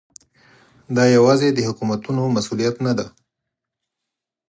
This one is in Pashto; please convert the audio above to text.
دا یوازې د حکومتونو مسؤلیت نه دی.